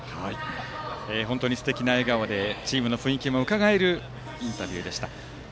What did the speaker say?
本当にすてきな笑顔でチームの雰囲気もうかがえるインタビューでした。